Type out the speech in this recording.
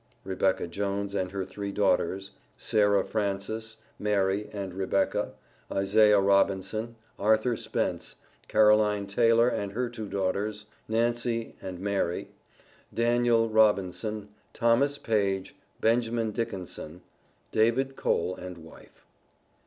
Rebecca Jones, and her three daughters, Sarah Frances, Mary, and Rebecca; Isaiah Robinson, Arthur Spence, Caroline Taylor, and her two daughters, Nancy, and Mary; Daniel Robinson; Thomas Page; Benjamin Dickinson; David Cole and wife.